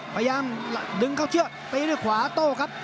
พยายามดึงเข้าเชือกตีด้วยขวาโต้ครับ